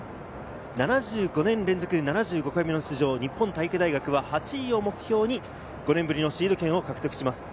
７５年連続７５回目の出場、日本体育大学は８位を目標に５年ぶりのシード権を獲得します。